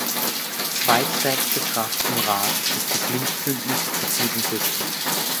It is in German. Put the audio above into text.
Zweitstärkste Kraft im Rat ist das Linksbündnis mit sieben Sitzen.